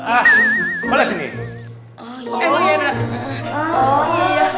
eh ustadz musa yang mulia dan santun